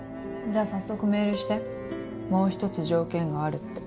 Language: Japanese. じゃあ早速メールしてもう一つ条件があるって。